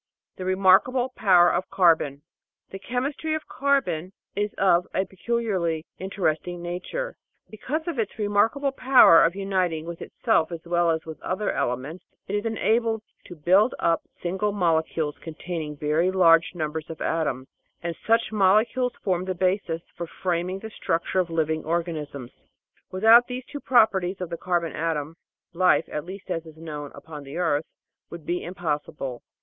The Remarkable Power of Carbon The Chemistry of Carbon is of a peculiarly interesting nature ; because of its remarkable power of uniting with itself as well as with other elements it is enabled "to build up single mole cules containing very large numbers of atoms, and such molecules form the basis for framing the structure of living organisms. Without these two properties of the carbon atom, life, at least as it is known upon the earth, would be impossible."